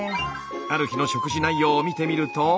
ある日の食事内容を見てみると。